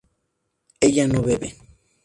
ella no bebe